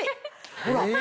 ほら！